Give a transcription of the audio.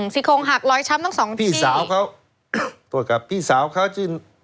สี่โครงหักรอยช้ำตั้งสองที่พี่สาวเขาโทษครับพี่สาวเขาคือ